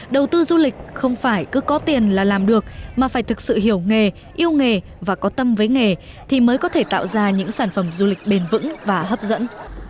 đầu tư du lịch không phải cứ có tiền là làm được mà phải thực sự hiểu nghề yêu nghề và có tâm với nghề thì mới có thể tạo ra những sản phẩm du lịch bền vững và hấp dẫn